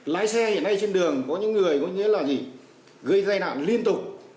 lái xe hiện nay trên đường có những người gây gây nạn liên tục